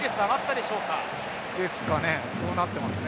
ですかね。